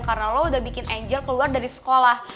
karena lo udah bikin angel keluar dari sekolah